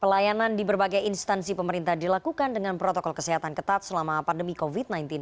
pelayanan di berbagai instansi pemerintah dilakukan dengan protokol kesehatan ketat selama pandemi covid sembilan belas